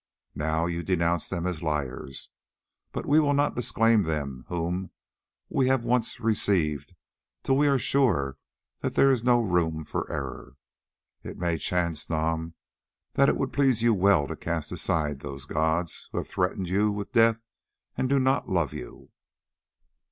Now you denounce them as liars, but we will not disclaim them whom we have once received till we are sure that there is no room for error. It may chance, Nam, that it would please you well to cast aside those gods who have threatened you with death and do not love you."